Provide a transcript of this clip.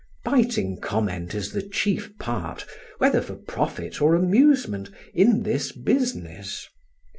Biting comment is the chief part, whether for profit or amusement, in this business.